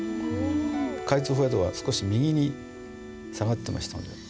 「開通褒斜道」は少し右に下がってましたので。